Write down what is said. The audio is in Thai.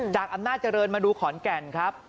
จากอำนาจเจริญมาดูขอนแก่นครับ